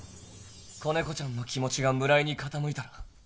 子猫ちゃんの気持ちが村井に傾いたら